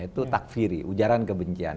itu takfiri ujaran kebencian